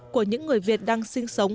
của những người việt đang sinh sống